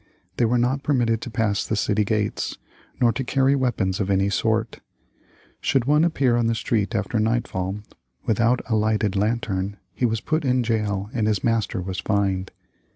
They were not permitted to pass the city gates, nor to carry weapons of any sort. Should one appear on the street after nightfall without a lighted lantern, he was put in jail and his master was fined.